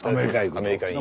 アメリカに。